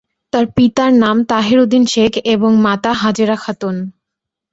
তার পিতার নাম তাহের উদ্দিন শেখ এবং মাতা হাজেরা খাতুন।